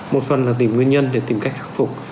một phần là tìm nguyên nhân để tìm cách khắc phục